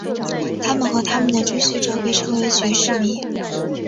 他们和他们的追随者被称为爵士迷。